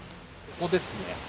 ここですね。